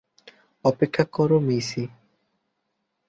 অপেক্ষা করো, মেইসি!